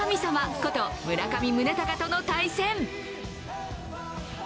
こと村上宗隆との対戦。